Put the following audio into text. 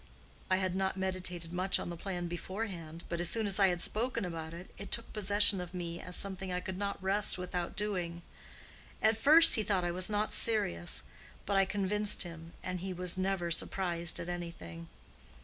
I had not meditated much on the plan beforehand, but as soon as I had spoken about it, it took possession of me as something I could not rest without doing. At first he thought I was not serious, but I convinced him, and he was never surprised at anything.